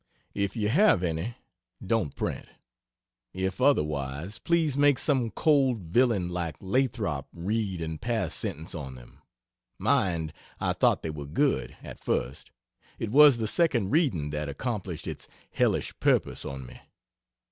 If you have any, don't print. If otherwise, please make some cold villain like Lathrop read and pass sentence on them. Mind, I thought they were good, at first it was the second reading that accomplished its hellish purpose on me.